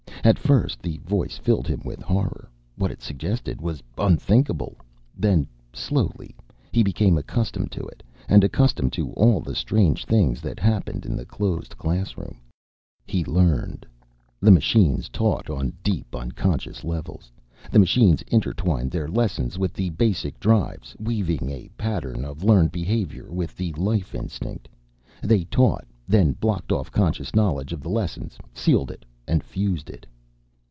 At first, the voice filled him with horror; what it suggested was unthinkable. Then, slowly, he became accustomed to it, and accustomed to all the strange things that happened in the closed classroom. He learned. The machines taught on deep, unconscious levels. The machines intertwined their lessons with the basic drives, weaving a pattern of learned behavior with the life instinct. They taught, then blocked off conscious knowledge of the lessons, sealed it and fused it.